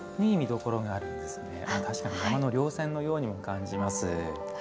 確かに山のりょう線のようにも感じます。